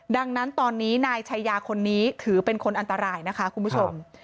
ดังนั้นตอนนี้นายชายาคนนี้ถือเป็นคนอันตรายนะคะคุณผู้ชม